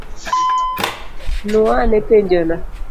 Nuo ane penjo no?